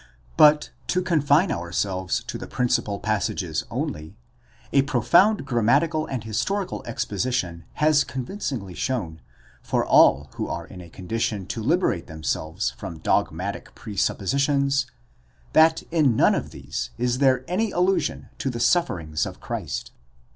But, to confine ourselves to the principal passages only, a profound grammatical and historical exposition has convinc ingly shown, for all who are in a condition to liberate themselves from dog 'matic presuppositions, that in none of these is there any allusion to the suf ferings of Christ.